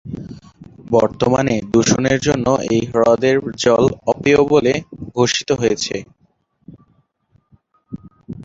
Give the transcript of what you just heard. বর্তমানে দূষণের জন্য এই হ্রদের জল অপেয় বলে ঘোষিত হয়েছে।